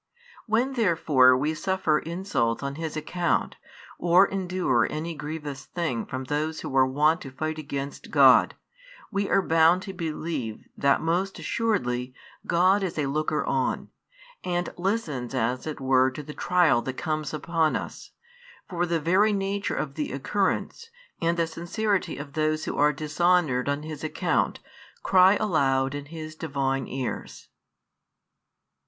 When therefore we suffer insult on His account, or endure any grievous thing from those who are wont to fight against God, we are bound to believe that most assuredly God is a looker on, and listens as it were to the trial that comes upon us: for the very nature of the occurrence, and the sincerity of those who are dishonoured on His account, cry aloud in His Divine Ears.